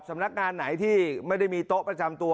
สำนักงานไหนที่ไม่ได้มีโต๊ะประจำตัว